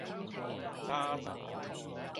咋喳